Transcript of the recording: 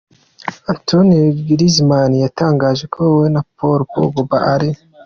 Antoine Griezmann yatangaje ko we na Paul Pogba ari.